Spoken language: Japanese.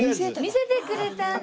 見せてくれたんだ。